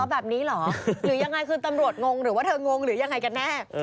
แบบนี้เหรอหรือยังไงคือตำรวจงงหรือว่าเธองงหรือยังไงกันแน่